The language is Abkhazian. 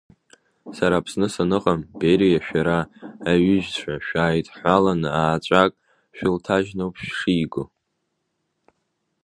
Сара Аԥсны саныҟам, Бериа шәара, аҩыжәцәа, шәааидҳәҳәаланы ааҵәак шәылҭажьноуп шәшиго.